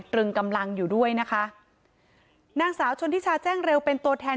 ตรึงกำลังอยู่ด้วยนะคะนางสาวชนทิชาแจ้งเร็วเป็นตัวแทน